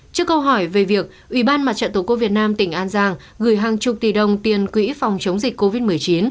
trước câu hỏi về việc ủy ban mặt trận tổ quốc việt nam tỉnh an giang gửi hàng chục tỷ đồng tiền quỹ phòng chống dịch covid một mươi chín